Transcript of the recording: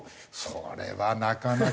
それはなかなか。